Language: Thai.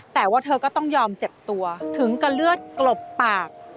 แต่ว่าเธอก็ต้องยอมเจ็บตัวถึงกับเลือดกลบปาก